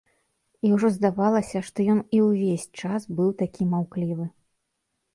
І ўжо здавалася, што ён і ўвесь час быў такі маўклівы.